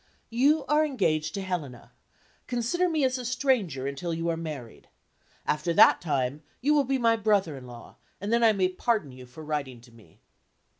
"You are engaged to Helena. Consider me as a stranger until you are married. After that time you will be my brother in law, and then I may pardon you for writing to me."